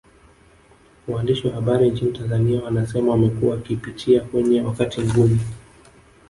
Waandishi wa habari nchini Tanzania wanasema wamekuwa wakipitia kwenye wakati mgumu